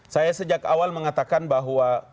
saya sejak awal mengatakan bahwa